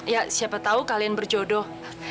ya siapa tahu kalian berjodoh